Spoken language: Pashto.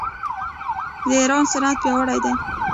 د ایران صنعت پیاوړی دی.